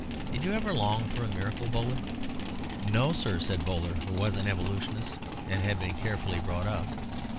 Did you ever long for a miracle, Bowler?" "No, sir," said Bowler, who was an evolutionist, and had been carefully brought up.